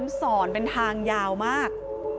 สอนเป็นทางยาวมาก